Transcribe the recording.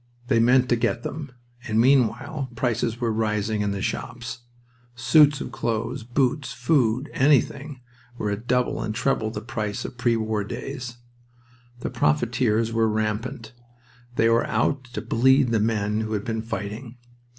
They meant to get them. And meanwhile prices were rising in the shops. Suits of clothes, boots, food, anything, were at double and treble the price of pre war days. The profiteers were rampant. They were out to bleed the men who had been fighting.